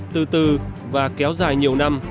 từ từ và kéo dài nhiều năm